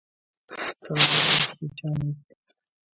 لەبن دارێک لەگەڵ پێشمەرگەی بێجان مەجلیسمان گەرم کرد